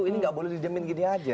ini tidak boleh dijamin gini saja